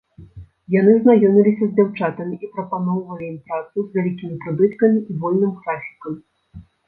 Яны знаёміліся з дзяўчатамі і прапаноўвалі ім працу з вялікімі прыбыткамі і вольным графікам.